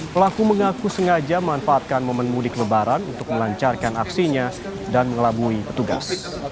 pelaku mengaku sengaja memanfaatkan momen mudik lebaran untuk melancarkan aksinya dan mengelabui petugas